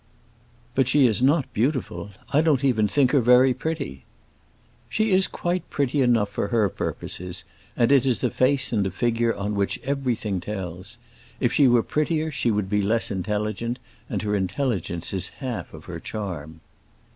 "But she is not beautiful. I don't even think her very pretty." "She is quite pretty enough for her purposes, and it is a face and figure on which everything tells. If she were prettier she would be less intelligent, and her intelligence is half of her charm."